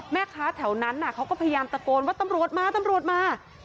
แม่ค้าแถวนั้นเขาก็พยายามตะโกนว่าตำรวจมาตำรวจมา